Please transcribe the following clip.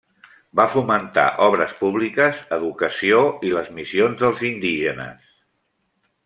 Va fomentar obres públiques, educació i les missions dels indígenes.